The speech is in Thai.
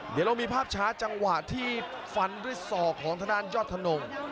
เดี๋ยวเรามีภาพช้าจังหวะที่ฟันด้วยศอกของทางด้านยอดธนง